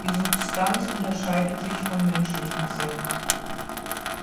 Die Substanz unterscheidet sich von menschlichen Zähnen.